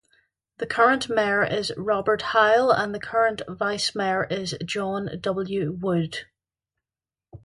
The current Mayor is Robert Hile and the current Vice-Mayor is Jon W. Good.